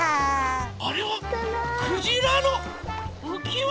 あれはクジラのうきわ！